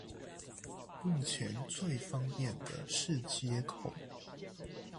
目前最方便的是街口